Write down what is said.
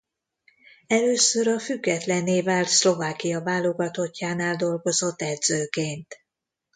Először a függetlenné vált Szlovákia válogatottjánál dolgozott edzőként.